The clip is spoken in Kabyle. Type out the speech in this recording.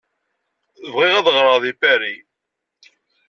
Bɣiɣ ad ɣreɣ deg Paris!